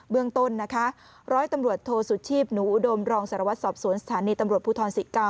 เรื่องต้นนะคะร้อยตำรวจโทสุชีพหนูอุดมรองสารวัตรสอบสวนสถานีตำรวจภูทรศิ๙